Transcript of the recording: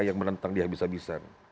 yang menentang di habis habisan